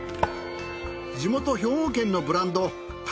地元兵庫県のブランド但馬